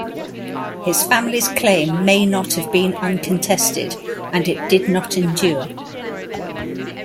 His family's claim may not have been uncontested, and it did not endure.